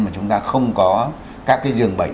mà chúng ta không có các cái dường bệnh